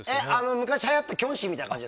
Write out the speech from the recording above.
昔、はやった「キョンシー」みたいな感じ？